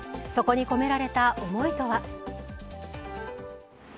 そこに込められた思いとは。